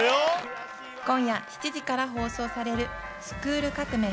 今夜７時から放送される『スクール革命！』